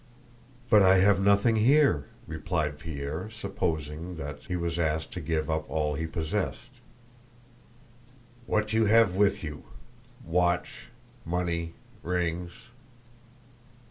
"But I have nothing here," replied Pierre, supposing that he was asked to give up all he possessed. "What you have with you: watch, money, rings...."